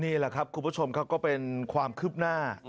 นี่แหละครับคุณผู้ชมครับก็เป็นความคืบหน้า